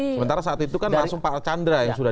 sementara saat itu kan langsung pak archandra yang sudah